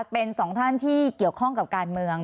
เป็นสองท่านที่เกี่ยวข้องกับการเมือง